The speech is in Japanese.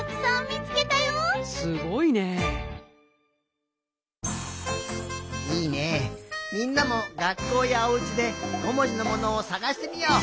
みんなもがっこうやおうちで５もじのものをさがしてみよう。